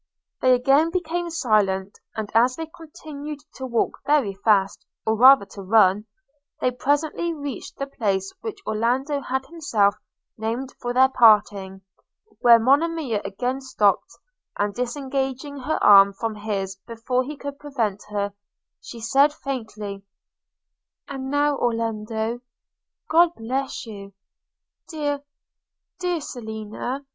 They again became silent; and as they continued to walk very fast, or rather to run, they presently reached the place which Orlando had himself named for their parting; where Monimia again stopped, and disengaging her arm from his before he could prevent her, she said, faintly, 'And now, Orlando, God bless you! – dear, dear Selina!'